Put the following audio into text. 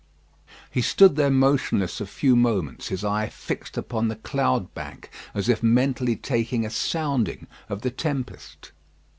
He stood there motionless a few moments, his eye fixed upon the cloud bank, as if mentally taking a sounding of the tempest.